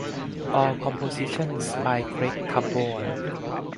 All compositions by Craig Taborn.